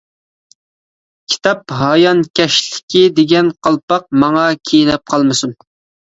كىتاب ھايانكەشلىكى دېگەن قالپاق ماڭا كىيىلىپ قالمىسۇن!